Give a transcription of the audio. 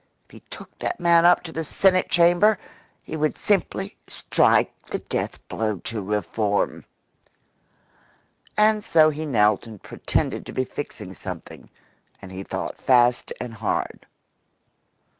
If he took that man up to the Senate Chamber, he would simply strike the death blow to reform! And so he knelt and pretended to be fixing something, and he thought fast and hard.